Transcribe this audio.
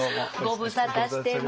ご無沙汰してます。